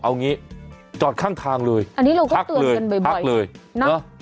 เอางี้จอดข้างทางเลยอันนี้เราก็เตือนกันบ่อยบ่อยพักเลยเนอะ